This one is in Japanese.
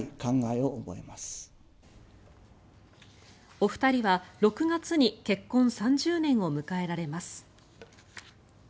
お二人は６月に結婚３０年を迎えられます。